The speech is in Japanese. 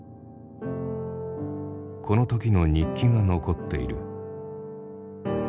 この時の日記が残っている。